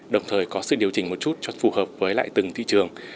đồng thời có sự điều chỉnh một chút cho phù hợp với lại từng thị trường